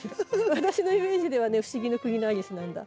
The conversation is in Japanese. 私のイメージではね「不思議の国のアリス」なんだ。